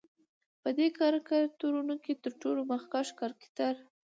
په دې کرکترونو کې تر ټولو مخکښ کرکتر